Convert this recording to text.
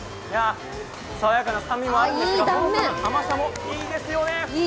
爽やかな酸味もあるんですが甘みもいいんですよね。